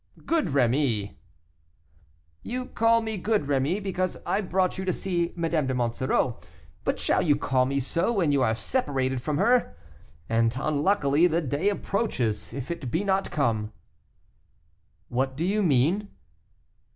"Good Rémy!" "You call me good Rémy, because I brought you to see Madame de Monsoreau, but shall you call me so when you are separated from her? and unluckily the day approaches, if it be not come." "What do you mean?"